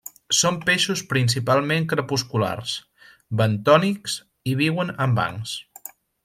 Són peixos principalment crepusculars, bentònics i viuen en bancs.